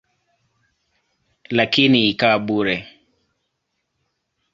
Lakini ikawa bure.